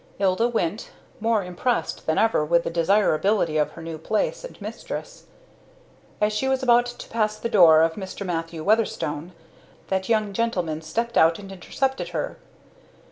Ilda went, more impressed than ever with the desirability of her new place, and mistress. As she was about to pass the door of Mr. Matthew Weatherstone, that young gentleman stepped out and intercepted her.